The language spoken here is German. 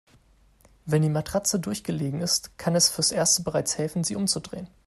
Wenn die Matratze durchgelegen ist, kann es fürs Erste bereits helfen, sie umzudrehen.